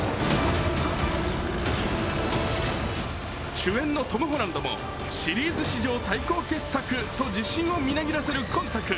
主演のトム・ホランドもシリーズ史上最高傑作と自信をみなぎらせる今作。